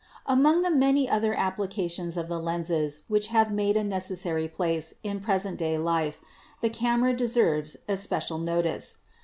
Among the many other applications of the lens which' have made a necessary place in present day life, the camera deserves especial notice.